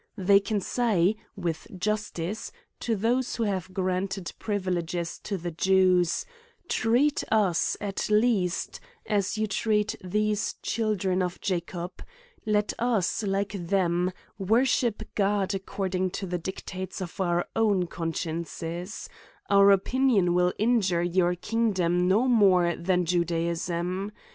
They can say, with justice, to those who have granted privileges to the Jews ;Treat us, at least, as you treat these children of Jacob ; let us, like them, worship God according to the dictates of our own consciences ; our opinions will injure your kingdonm no more than Judaism.